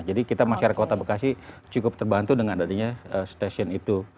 jadi kita masyarakat kota bekasi cukup terbantu dengan adanya stasiun itu